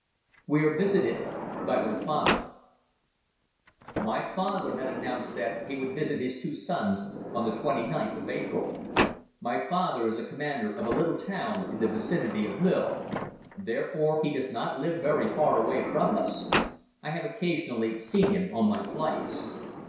We Are Visited By My Father MY father had announced that he would visit his two sons on the twenty ninth of April. My father is commander of a little town in the vicinity of Lille. Therefore he does not live very far away from us. I have occasionally seen him on my flights.